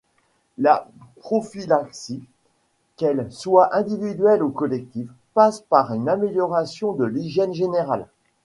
La prophylaxie, qu'elle soit individuelle ou collective, passe par une amélioration de l'hygiène générale.